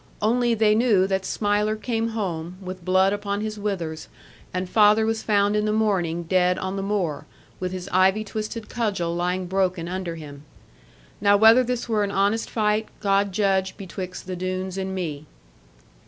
Only they knew that Smiler came home, with blood upon his withers, and father was found in the morning dead on the moor, with his ivy twisted cudgel lying broken under him. Now, whether this were an honest fight, God judge betwixt the Doones and me.